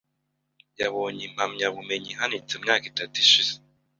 Yabonye impamyabumenyi ihanitse mu myaka itatu ishize .